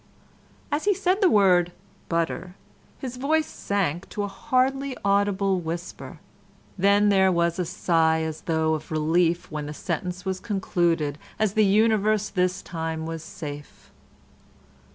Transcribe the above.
As he said the word "butter" his voice sank to a hardly audible whisper; then there was a sigh as though of relief when the sentence was concluded, and the universe this time was safe.